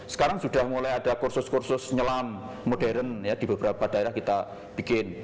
sekarang sudah mulai ada kursus kursus nyelam modern ya di beberapa daerah kita bikin